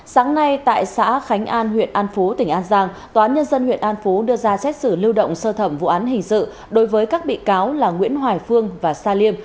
sáng nay tại xã khánh an huyện an phú tỉnh an giang tòa án nhân dân huyện an phú đưa ra xét xử lưu động sơ thẩm vụ án hình sự đối với các bị cáo là nguyễn hoài phương và sa liêm